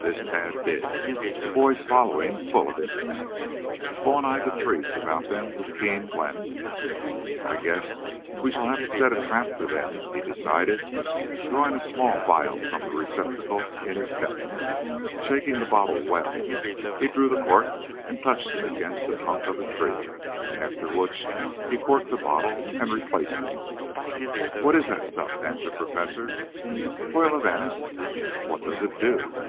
This Tad did, the boys following, full of interest. Vaughn eyed the trees about them with keen glances. "I guess we shall have to set a trap for them," he decided, drawing a small vial from a receptacle in his belt. Shaking the bottle well he drew the cork and touched it against the trunk of a tree, after which he corked the bottle and replaced it. "What is that stuff?" asked the Professor. "Oil of anise." "What does it do?"